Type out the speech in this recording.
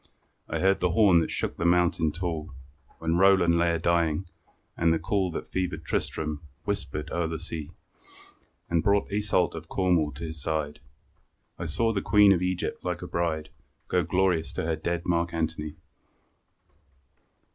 I heard the horn that shook the mountain tall, When Roland lay a dying, and the call That fevered Tristram whispered o'er the sea, And brought Iseult of Cornwall to his side. I saw the Queen of Egypt like a bride Go glorious to her dead Mark Antony.